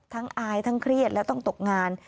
อายทั้งเครียดและต้องตกงาน